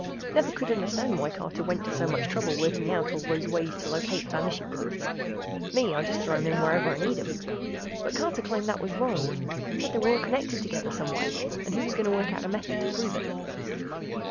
Never could understand why Carter went to so much trouble working out all those ways to locate vanishing points. Me, I just throw 'em in wherever I need 'em. But Carter claimed that was wrong. Said they were all connected together some way, and he was gonna work out a method to prove it.